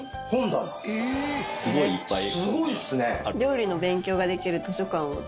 すごいっすね！